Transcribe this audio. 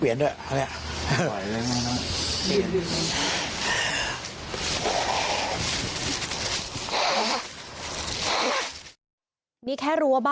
ยูาครับ